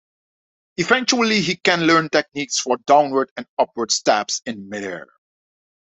Eventually, he can learn techniques for downward and upward stabs in midair.